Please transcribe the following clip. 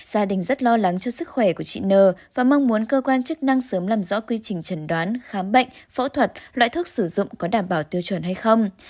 gia đình rất lo lắng cho sức khỏe của chị nờ và mong muốn cơ quan chức năng sớm làm rõ quy trình trần đoán khám bệnh phẫu thuật loại thuốc sử dụng có đảm bảo tiêu chuẩn hay không